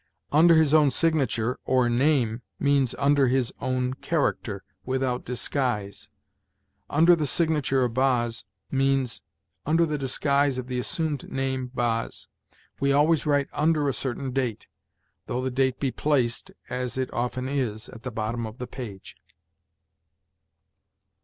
"Under his own signature" or "name" means "under his own character, without disguise." "Under the signature of Boz" means "under the disguise of the assumed name Boz." We always write under a certain date, though the date be placed, as it often is, at the bottom of the page.